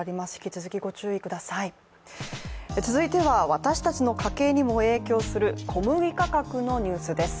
続いては私たちの家計にも影響する小麦価格のニュースです。